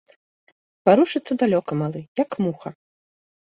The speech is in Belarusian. Варушыцца далёка, малы, як муха.